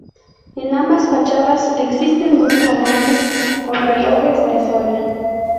En ambas fachadas existen dos cuadrantes con relojes de sol.